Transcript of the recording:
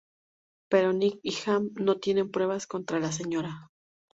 Pero Nick y Hank no tienen pruebas contra la Sra.